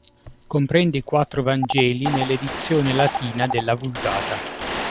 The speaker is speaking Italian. Comprende i quattro vangeli nella edizione latina della vulgata.